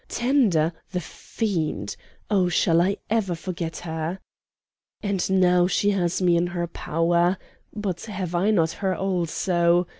Tender? the fiend! Oh, shall I ever forget her? "And now she has me in her power! But have I not her also?